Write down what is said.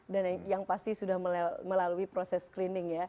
dan yang pasti sudah melalui proses screening ya